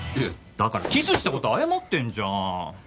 だからキスした事は謝ってんじゃん！